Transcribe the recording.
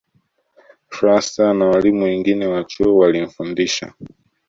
Fraser na walimu wengine wa chuo walimfundisha